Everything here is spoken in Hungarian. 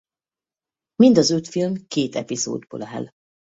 Mind az öt film két epizódból áll.